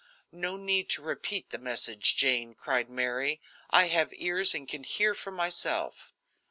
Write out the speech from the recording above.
"No need to repeat the message, Jane," cried Mary. "I have ears and can hear for myself."